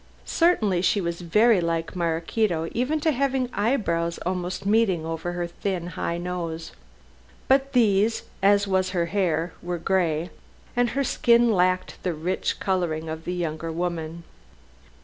Certainly she was very like Maraquito, even to having eyebrows almost meeting over her thin high nose. But these, as was her hair, were gray, and her skin lacked the rich coloring of the younger woman.